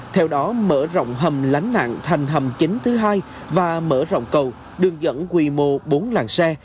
theo đó mở rộng hầm lánh nạn thành hầm chính thứ hai và mở rộng cầu đường dẫn quy mô bốn làng xe